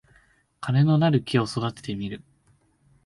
金のなる木を育ててみる